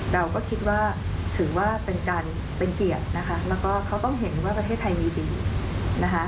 เราก็คิดว่าถือว่าเป็นการเป็นเกียรตินะคะแล้วก็เขาต้องเห็นว่าประเทศไทยมีดีนะคะ